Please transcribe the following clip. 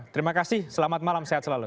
terima kasih selamat malam sehat selalu